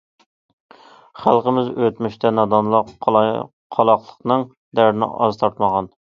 خەلقىمىز ئۆتمۈشتە نادانلىق، قالاقلىقنىڭ دەردىنى ئاز تارتمىغان.